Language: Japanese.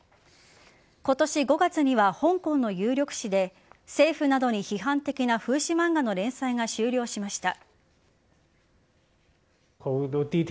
今年５月には香港の有力紙で政府などに批判的な風刺漫画の連載が終了しました。